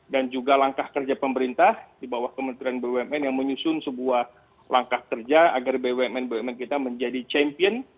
dan juga langkah kerja pemerintah di bawah kementerian bumn yang menyusun sebuah langkah kerja agar bumn bumn kita menjadi champion